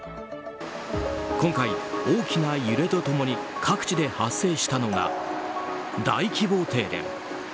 今回、大きな揺れと共に各地で発生したのが大規模停電。